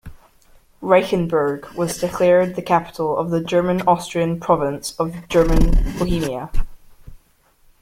Reichenberg was declared the capital of the German-Austrian province of German Bohemia.